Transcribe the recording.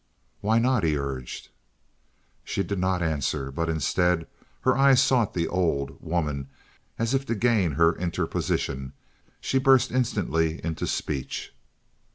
"Why not?" he urged. She did not answer, but, instead, her eyes sought the old, woman, as if to gain her interposition; she burst instantly into speech.